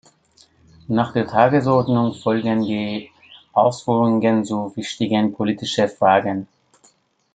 Nach der Tagesordnung folgen die Ausführungen zu wichtigen politischen Fragen.